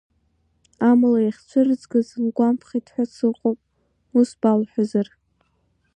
Амала иахьцәырзгаз лгәамԥхеит ҳәа сыҟоуп, ус балҳәазар.